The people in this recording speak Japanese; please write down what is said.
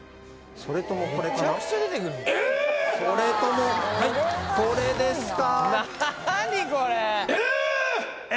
それともはいこれですか？